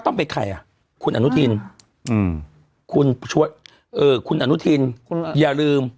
ต้องเป็นใครอ่ะคุณอนุทินคุณอนุทินอย่าลืม